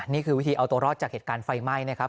นี่คือวิธีเอาตัวรอดจากเหตุการณ์ไฟไหม้นะครับ